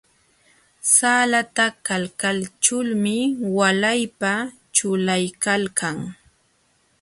Salata kalchaykulmi walaypa ćhulaykalkan.